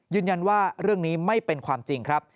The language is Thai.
ยืนยันว่าเรื่องนี้ไม่เป็นความจริงครับ